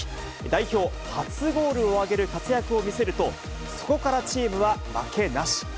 代表初ゴールを挙げる活躍を見せると、そこからチームは負けなし。